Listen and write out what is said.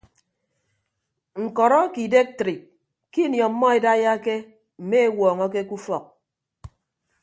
Ñkọrọ ake idektrik ke ini ọmmọ edaiyake mme ewuọñọke ke ufọk.